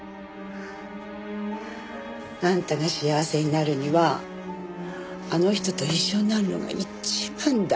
あんたが幸せになるにはあの人と一緒になるのが一番だ。